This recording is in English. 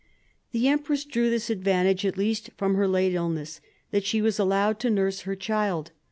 The empress drew this advantage at least from her late illness, that she was allowed to nurse her child.